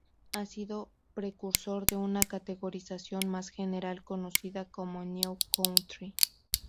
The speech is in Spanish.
Ha sido precursor de una categorización más general conocida como New Country.